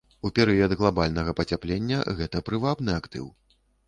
У перыяд глабальнага пацяплення гэта прывабны актыў.